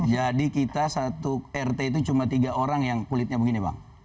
jadi kita satu rt itu cuma tiga orang yang kulitnya begini bang